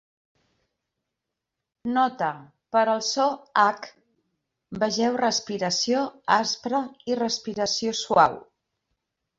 Nota: per al so "h", vegeu respiració aspre i respiració suau.